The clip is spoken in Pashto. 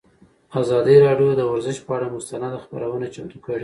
ازادي راډیو د ورزش پر اړه مستند خپرونه چمتو کړې.